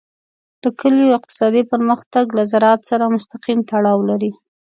د کلیو اقتصادي پرمختګ له زراعت سره مستقیم تړاو لري.